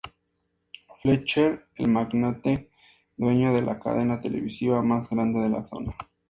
Fletcher, el magnate dueño de la cadena televisiva más grande de la zona.